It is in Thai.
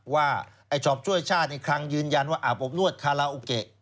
ว่าไอ้ช็อปช่วยชาติอีกครั้งยืนยันว่าอาบอบนวดคาราโอเกะ